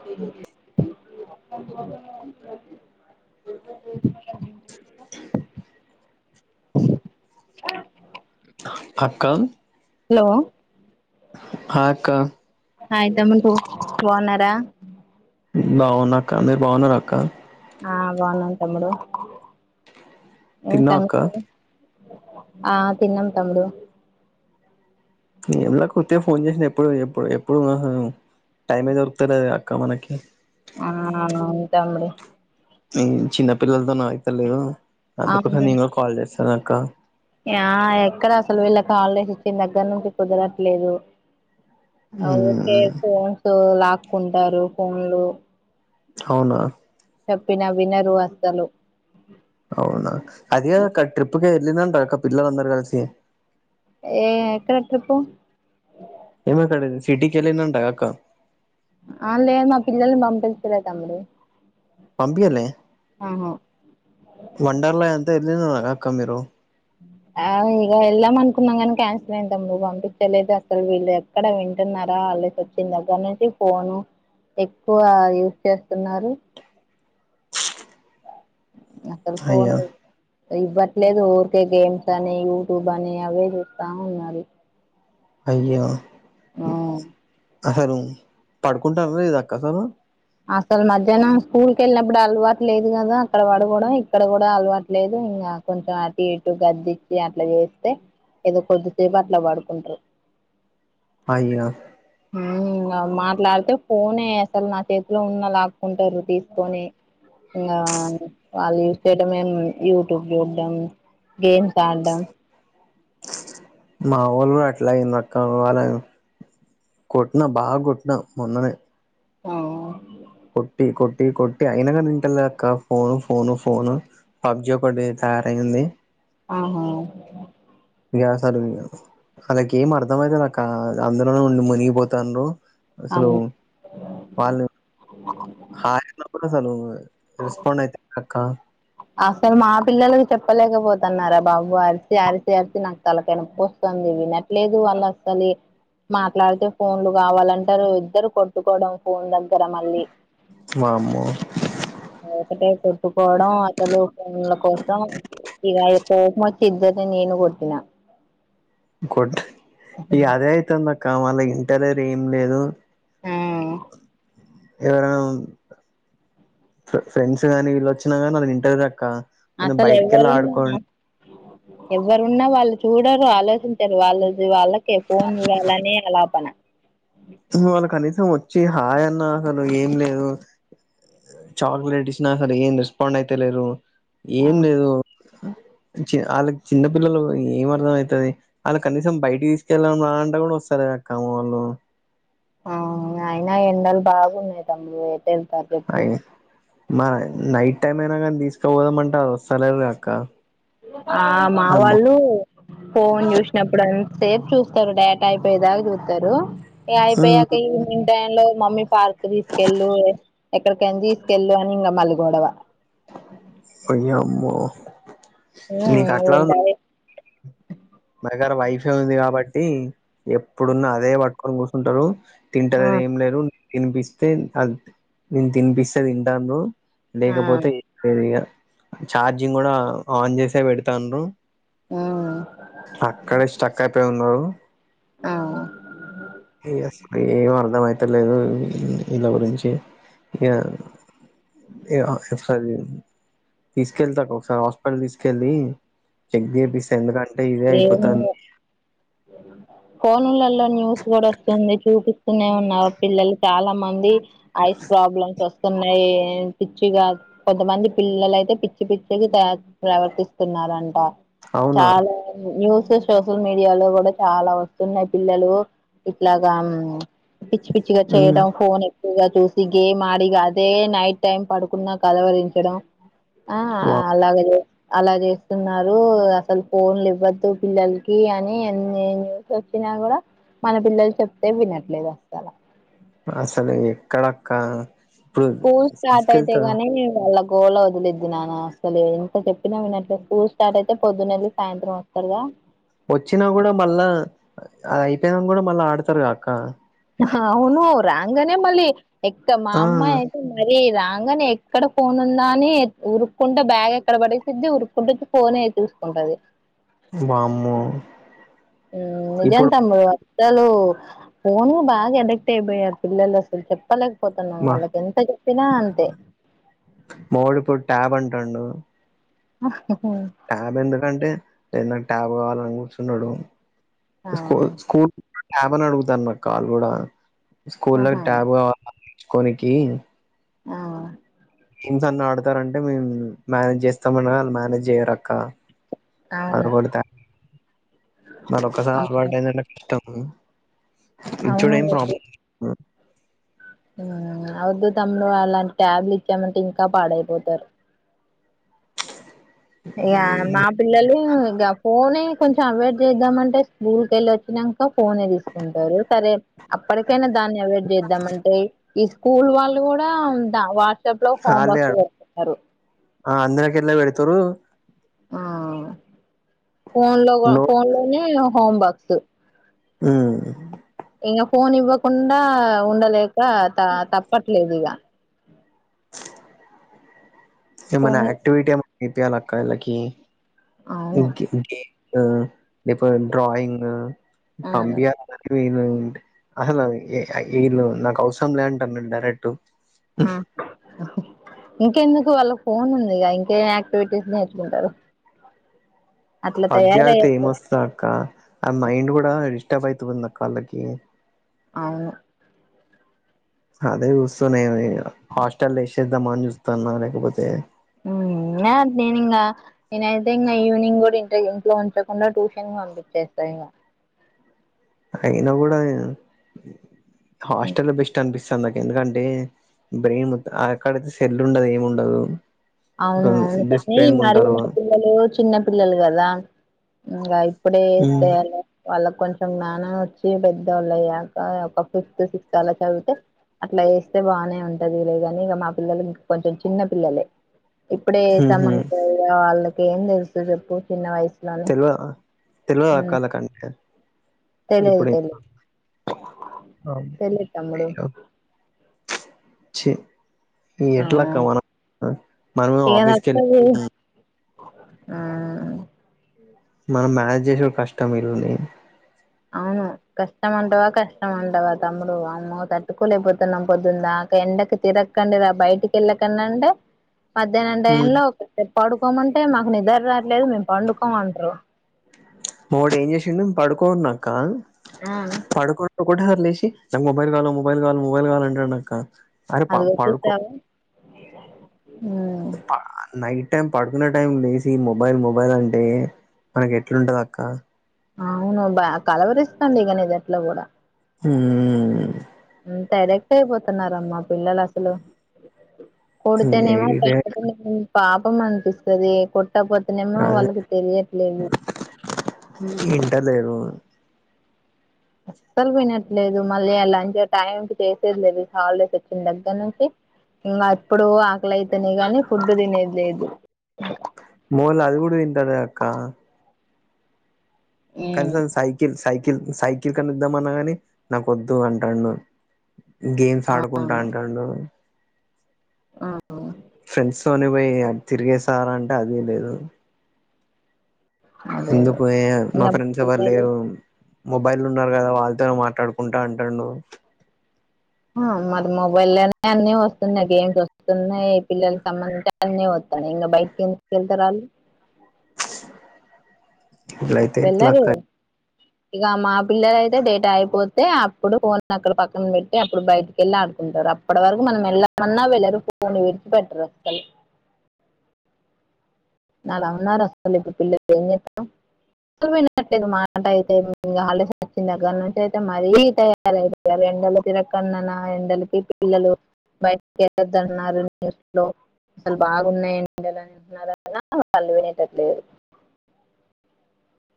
అ కక్క hello hi అక్క ఆ తమ్ముండు బావున్నారా బాగున్నా అక్క మీరు బాగున్నరా అక్క ఆ బాగున్నా తమ్ముడు ఏం తిన్నావ తంగ అక్క ఆ తిన్నాము తమ్ముడు ఇందాక కొర్తే ఫోన్ చేసిన ఎప్పుడు ఎప్పుడు ఎప్పుడు టైమే దొరుకుతంది అది అక్క మనకి ఆ అంతబడు ఉమ్ చిన్న పిల్లలతో నావైతే లేదు అందుకోస అవును నేను కూడా కాల్ చేస్తానఅక్క ఆ ఎక్కడ అసలు వీళ్ళకి హాలిడేస్ ఇచ్చిన దగ్గర నుంచి కుదరట్లేదు ఓకే ఉమ్, ఫోన్స్ లాక్కుంటరు ఫోన్లు అవునా చెప్పిన వినరు అసలు అవునా అది అక్క ట్రిప్కి వెళ్ళింద్రక్క పిల్లందరూ కలిసి ఏ ఎక్కడ ట్రిప్పు ఏమక్కడ సిటీకిలినంటగా అక్క ఆ లేదు మా పిల్లల్ని పంపిచలే తమ్ముడి పంపియలే ఆహా వండర్లయ అంత ఇలి అక్క మీరు ఆ ఇక వెళ్ళాం అనుకున్నాం కాని క్యాన్సిల్ అయిందాం నువ్వు పంపించలేదు అసలు వీళ్లే ఇక్కడ వింటున్నరా వాళ్ళ వచ్చిన దగ్గర నుంచి ఫోను ఎక్కువ యూజ్ చేస్తున్నారు అసల్ ఫోన్ అయ్యా ఇవ్వట్లేదు ఊరికే గేమ్స్ అని యూట్యూబ్ అని అవే చూస్తా ఉన్నారు అయ్యో అ అసలు పడుకుంటాను ఇది అక్క సార్ అసలు మధ్యానం స్కూల్కి వెళ్ళినప్పుడు అలవాటు లేదు కదా అక్కడ పడకోవడం ఇక్కడ కూడా అలవాటు లేదు ఇంకా కొంచెం అటు ఇటు గజిచ్చి అట్లా చేేస్తే ఏదో కొద్దిసేపు అట్ల పడుకుంటారు అయ్యో మాట్లాడితే ఫోనే అసలు నా చే [unintelligible] ఉన్న లాక్కుంటారు తీసుకొని ఇంగా వాళ్ళు చూసేయట మేము యూట్యూబ్ చూడడం గేమ్స్ ఆడం మా ఓలు కూడ అట్లాయింది అక్క వాళ్ళ కొట్టిన బాగ కొట్టినా మొన్ననే ఆ కొట్టి కొట్టి కొట్టి అయినగానీ ఇంతలేదక్క ఫోను ఫోను ఫోను పబ్జీ ఒకటీ తయారైంది ఆహా [unintelligible] అలాక ఏం అర్థం ఐతేలే అక్క అందులోనే ఉండి మునిగిపోత [unintelligible] అసలు అవును వాళ్ళు [unintelligible] రిస్పండ్ అయితేక్క అసలు మా పిల్లలకి చెప్పలేకపోతున్నార బాబు అరిసి అరిసి ఆరిసి నాకు తలకాయ్ నొప్పి వస్తంది విన లేదు వాళ్ళు అసలే మాట్లాడితే ఫోన్లు కావాలంటారు ఇద్దరు కొట్టుకోవడం ఫోన్ దగ్గర మళ్ళీ వామ్మో ఒకటే కొట్టుకోవడం అసలు భోమ్ముల కోసం ఇగ నాకు కోపం ఒచ్చి ఎందరిని నేను కొట్టిన ఇగ అదే అయితంది అక్క మాల ఇంటరర్ ఏం లేదు ఆ ఎవరైన ఫ్రెండ్స్ గానీ వీళ్ళు వచ్చినా కానీ అ ఇంటర్వూ అక్క కొంచెం అసలు బయటికెళ్ళి ఆడుకోండి [unintelligible] ఎవ్వరున్నా వాళ్ళు చూడరు ఆలోచించరు వాళ్ళు వాళ్ళకే ఫోన్ [unintelligible] ఆలాపన వాళ్ళు కనీసం వచ్చి హాయ్ అన్నా అసలు ఏం లేదు చాక్లెట్ ఇచ్చిన సరే ఏం రెస్పాండ్ అయితే లేరు ఆ ఏం లేదు చి వాళ్ళకి చిన్న పిల్లలు ఏం అర్థం అయితది వాళ్ళు కనీసం బయటకి తీసుకెళ్ళం రాంట కూడా వస్తారు కామ్మ వాళ్ళు ఆ అయిన ఎండలు బాగున్నాయి తమ్ముడు ఎట్ అయి మ నైట్ టైం అయినా కానీ తీసుకుపోదామంటే అది వస్తలేదు అక్క ఆ మా అమ్మో వాళ్ళు ఫోన్ చూసినప్పుడు అంత సేపు చూస్తరు డేట అయిపోయే దాక చూస్తరు ఇగ ఆయిపోయాక [unintelligible] టై లో మమ్మీ పార్క్ తీసుకెళ్ళు ఎక్కడికైన తీసుకెళ్ళు అని ఇంగ మల్లిగొడవ ఓయమ్మో ఉ ఉండాలి మాదగ్గర వైఫై ఉంది కాబట్టి ఎప్పుడున్న అదే పట్టుకొని కూర్చుంటరు ఆ తింటలేది ఏం లేరు తినిపిస్తే అది నేను తినిపిస్తే తింటాడ్రు ఆ లేకపోతే ఏం లేదు ఇగ చార్జింగ్ కూడా ఆన్ చేసే పెడతాడ్రు ఆ అక్కడే స్టక్ అయిపోయి ఉన్నారు ఆ ఇగసలు ఏం అర్ధంయితేలేదు ఇలా గురించి యద ఇగ ఒకసారి తీసుకెళ్తాకు ఒకసారి హాస్పిటల్ తీసుకెలి చెక్ జెపిస్తా ఎందుకు అంటే ఏమో ఫోనులల లో న్యూస్ కూడా వస్తుంది చూపిస్తూనే ఉన్నావు పిల్లలు చాలా మంది ఐస్ ప్రాబ్లమ్స్ వస్తున్నాయి పిచ్చిగా కొంతమంది పిల్లలైతే పిచ్చి పిచ్చిగా ప్రవర్తిస్తున్నారంట అవునా చాలా న్యూస్ సోషల్ మీడియాలో కూడా చాలా వస్తున్నాయి పిల్లలు ఇట్లాగా పిచ్చి పిచ్చిగా ఉమ్ చేయడం ఫోన్ గా చూసి గేమ్ ఆడిగా అదే నైట్ టైం పడుకున్నా కలవరించడం ఆ వా అలాగలే అలా చేస్తున్నారు అసలు ఫోన్లు ఎక్కు అవద్దు పిల్లలకి అని నే ఎన్ని చేపిన కూడా మన పిల్లలు చెప్తే వినట్లేదు అసల అసలు ఎక్కడక్క ఇప్పుడు స్కూల్ స్టార్ట్ అయితే తీసుకెళ్తారు గాని నేను వేళ్ళం గోళ వదిలేద్ది నాన్న అసలు ఎంత చెప్పినా వినట్లే స్కూల్ స్టార్ట్ అయితే పొద్దునేళ్ళీ సాయంత్రం వస్తారుగా వచ్చినా కూడా మళ్ళా అది అయిపోయినా కూడా మళ్ళా ఆడతారు గాక్క అవును రాంగనే మళ్ళీ ఎ మా ఆ అమ్మాయి అయితే మరి రాంగనే ఎక్కడ ఫోన్ ఉందా అని ఉరుక్కుంటే బ్యాగ్ ఎక్కడ పడేసిద్ది ఉరుక్కుంట వచ్చి ఫోన్ చూసుకుంటది వామ్మో నిజం ఇప్పుడు తమ్ముడు అసలు ఫోన్ బాగా అడిక్ట్ అయిపోయారు పిల్లలు అసలు చె చెప్పలేకపోతున్నాం మా వాళ్ళకి ఎంత చెప్పినా అంతే మా ఓడు ఇప్పుడు ట్యాబ్ అంటుండు ఆహ హు ట్యాబ్ ఎందుకంటే లేద్ నాకు ట్యాబ్ కావాలని కూర్చున్నాడు ఆ స్కూ స్కూల్ ట్యాబ్ అని అడుగుతాను మక్క వాళ్ళు కూడా స్కూల్ లోకి ఆహా ట్యాబ్ కావాల అన్ని ఇచ్చుకోనికి ఆ ఇంతన్న ఆడుతారంటే మేము మేనేజ్ చేస్తామనీ అనగా వాళ్ళు మేనేజ్ చేయరక్క అవును అరుకొడుతా మల్ల ఒకసారి అలవాటు అయింది అంటే కష్టం అవును ఇచ్చడు ఏం ప్రాబ్ల అవుద్దు తమ్ముడు అలాంటి ట్యాబ్లు ఇచ్చామంటే ఇంకా పాడైపోతారు ఇగ మా పిల్లలు గా ఫోనే కొంచెం అవాయిడ్ చేద్దామంటే స్కూల్ కెళ్ళొచ్చినాక ఫోనే తీసుకుంటారు సరే అప్పటికైనా దాన్ని అవాయిడ్ చేద్దామంటే ఈ స్కూల్ వాళ్ళు కూడా వాట్సాప్ లో హోమ్ ఆళ్ళే వర్క్ అడు పెడుతున్నారు ఆ అందరికి ఇట్లనే పెడుతున్నారు ఆ ఫోన్ లోగ నో ఫోన్ లోనే హోమ్ బక్స్ ఆ ఇంగా ఫోన్ ఇవ్వకుండా ఉండలేక త తప్పట్లేదు ఇగ ఏమన్నా ఫోన్ యాక్టివిటీ ఏమో ఇప్పియాలిక్క వీళ్ళకి అవును ఆ ఇప్పుడు డ్రయింగ్ ఆ పంపియాలి అందరికి మెయిను అసలు ఆ ఈ నాకు అవసరం లే అంటర్ నన్ను డైరెక్ట్ ఉ మ్ అ ఇంకెందుకు వాళ్ళ ఫోన్ ఉందిగా ఇంకేం యాక్టివిటీస్ నేర్చుకుంటారు అట్లా పబ్జి ఆడితే ఏమ్ తయారయ్యారు వస్తది అక్క ఆ మైండ్ కూడా డిస్టర్బ్ అయితుందక్క వాళ్ళకి అవును అదే చూస్తున్న ఎమైనా హాస్టల్ వేశేద్దామ్ అని చూస్తాన్నా లేకపోతే మ్మ్మ్ నినా నేనింగా నేనైతే ఇంగ ఈవినింగ్ కూడా ఇంటీ దగ్గర ఇంట్లో ఉంచకుండా ట్యూషన్ కంప్లీట్ చేస్తా ఇంగా అయినా కూడా ఎ హాస్టలే బెస్ట్ అనిపిస్తంది అక్క ఎందుకంటే బ్రెయిన్ అక్కడైతే సెల్లు ఉండదు ఏమి ఉండదు అవునవును డిసిప్లైన్ మరి ఉంటారు పిల్లలు చిన్న పిల్లలు కదా ఇంగ ఇప్పుడే వేస్తే ఎలా వాళ్ళకి కొంచెం జ్ఞానం వచ్చి పెద్దవాళ్ళు అయ్యాక ఒక ఫిఫ్త్ సిక్స్త్ అలా చదివుతే అట్లా వేస్తే బానే ఉంటది లేగాని ఇగ మా పిల్లలు ఇంక కొంచెం చిన్న పిల్లలు ఇప్పుడే ఉహు వేసామంటే ఇగ వాళ్ళకి ఏం తెలుసు చెప్పు చిన్న వయసుల వ్ అ తెల్వదా అక్కాల కంటే తెలియదు ఇప్పుడెమ్ తెలిదు ఆమ్ తెలియదు తమ్ముడు అ చి ఇ ఆ ఎట్లాక్క మనం అ మనము ఇగ ఆఫీస్కెలి తప్పదు ఆ మనం మ్యనేజ్ చేశుడు కష్టం ఇల్లుని అవును కష్టం అంటవా కష్టం అంటవా తమ్ముడు వమ్మో తట్టుకోలేకపోతున్నాం పొద్దున్ దాకా ఎండకి తిర క్కండి రా బయటికి వెళ్లకండి అంటే మధ్యాహ్నం టైం లో కాసేపు పడుకోమంటే మాకు నిద్ర రాట్లేదు మేము పండుకోమంటర్రు ప్చ్ మావోడు ఏం చేశిండు పడుకోన్నాక్క ఆ పడుకున్నాక లేచి ఒకటేసారి లేశి నాకు మొబైల్ కావల మొబైల్ కావాల మొబైల్ కావాల అంటుండక్క అది వచ్చేస్తాది పా నై అంటే పడుకున్న టైం లేసి మొబైల్ మొబైల్ అంటే మనకి ఎట్లుంటది అక్క అవును బా కలవరిస్తూండు ఇగ నిదట్లో కూడా ఉమ్ మ్ ఉమ్ అడిక్ట్ అయిపోతున్నారమ్మా పిల్లలు కొడితేనేమో ఇదే ఉమ్ మ్ పాపం అనిపిస్తది కొట్టకపోతేనేమో వాళ్ళకి తెలియట్లేదు ఇంట లేరు అస్సలు వినట్లేదు మళ్ళీ ఆ లంచ్ టైం కి చేసేది లేదు హాలిడేస్ వచ్చిన దగ్గర నుంచి ఇంగా అప్పుడు ఆకలైతేనే గానీ ఫుడ్డు తినేది లేదు మా వొళ్ళు అది కూడా తింటలేరు అక్క కనీసం సైకిల్ సైకిల్ సై కెలుద్దాం అన్నా కాని నాకు వద్దు అంటాడు గేమ్స్ ఆ ఆడుకుంటా అంటాడు ఆ అ ఫ్రెండ్స్తోనే పోయి తిరిగేశార అంటే అది లేదు అదే అదే ఎందుకు ఎ మా ఇంకా ఫ్రెండ్స్ ఎవరు లేరు మొబైల్ లో ఉన్నారు కదా వాళ్ళతోనే మాట్లాడుకుంటా అంటుండు మరి మొబైల్లొనే అన్ని వస్తున్నాయి గేమ్స్ వస్తున్నాయి పిల్లల సంబంధించి అని వస్తున్నాయ్ ఇంక బయటకి ఎందుకు వెళ్తారు ఆళ్లు ఇట్ల వెళ్లారు గద ఇక మా పిల్లలైతే డేటా అయిపోతే అప్పుడు ఫోన్ అక్కడ పక్కన పెట్టి అప్పుడు బయటకి వెళ్ళి ఆడుకుంటారు అప్పటి వరకు మనం వెళ్ళమన్నా వెళ్ళరు ఫోన్ విడిచి పెట్టరు అసలు ఎలా ఉన్నారు అసలు ఇప్పుడు పిల్లలు ఎం చేస్తాం అసలు వినట్లేదు మాట అయితే హాలిడేస్ వచ్చిన దగ్గర నుంచి అయితే మరీ తయా రయారు ఎండలో తిరక్కండి నానా ఎండలకి పిల్లలు బయటికి వెళ్ళొదు అన్నారు ఇంట్లో అసలు బాగున్నాయండి ఎండలంటున్నారు ఐన వాళ్ళు వినేటట్టు లేరు